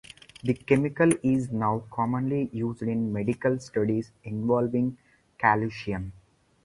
The chemical is now commonly used in medical studies involving calcium.